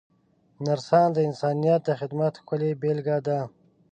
نرسان د انسانیت د خدمت ښکلې بېلګه ده.